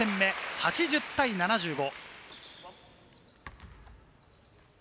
８０対７５。